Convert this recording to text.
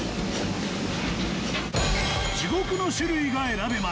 地獄の種類が選べます！